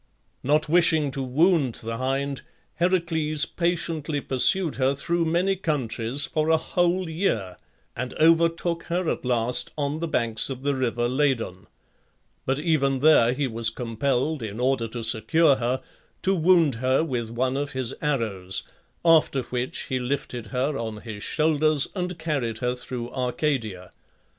Not wishing to wound the hind Heracles patiently pursued her through many countries for a whole year, and overtook her at last on the banks of the river Ladon; but even there he was compelled, in order to secure her, to wound her with one of his arrows, after which he lifted her on his shoulders and carried her through Arcadia.